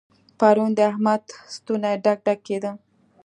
پرون د احمد ستونی ډک ډک کېد.